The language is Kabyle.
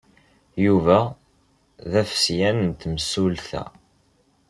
Yuba d afesyan n temsulta.